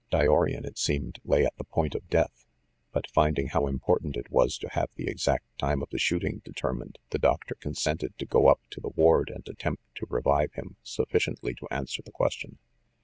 Dyorian, it seemed, lay at the point of death ; but, finding how important it was to have the exact time of the shooting determined, the doctor consented to go up to the ward and attempt to revive him suffi ciently to answer the question.